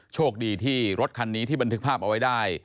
โชคดีที่รถคันนี้ที่บันทึกภาพเอาไว้ได้